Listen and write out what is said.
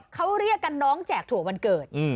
เขาเรียกกันน้องแจกถั่ววันเกิด